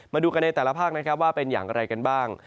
มาดูกันในแต่ละภาคนะครับว่าเป็นอย่างไรกันบ้าง